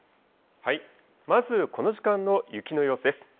まずこの時間の雪の様子です。